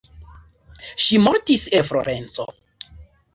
Ŝi mortis en Florenco.